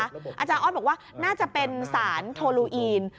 อาจารย์ออสบอกว่าน่าจะเป็นสารโทลูอีน